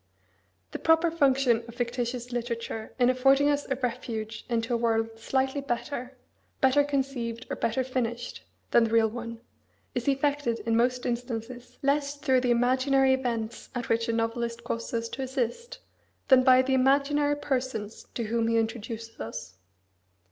The proper function of fictitious literature in affording us a refuge into a world slightly better better conceived, or better finished than the real one, is effected in most instances less through the imaginary events at which a novelist causes us to assist, than by the imaginary persons to whom he introduces us.